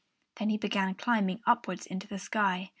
Then he began climbing upwards into the sky.